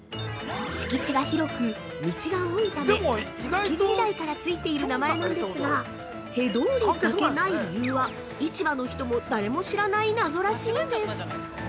◆敷地が広く、道が多いため、築地時代から付いている名前なんですが、「へ通り」だけない理由は市場の人も誰も知らない謎らしいんです。